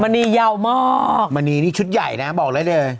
ณียาวมากมณีนี่ชุดใหญ่นะบอกได้เลย